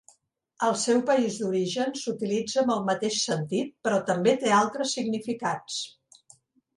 Al seu país d'origen s'utilitza amb el mateix sentit, però també té altres significats.